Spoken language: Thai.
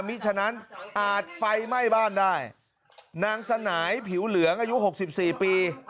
ฉะนั้นอาจไฟไหม้บ้านได้นางสนายผิวเหลืองอายุหกสิบสี่ปี